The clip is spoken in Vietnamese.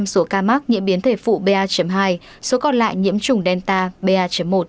chín mươi bảy chín mươi tám số ca mắc nhiễm biến thể phụ ba hai số còn lại nhiễm chủng delta ba một